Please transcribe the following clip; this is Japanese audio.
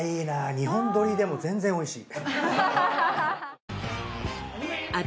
２本録りでも全然おいしい。